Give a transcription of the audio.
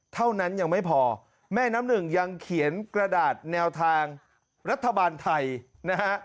เท่านั้นยังไม่พอแม่น้ำหนึ่งยังเขียนกระดาษแนวทางรัฐบาลไทยนะฮะ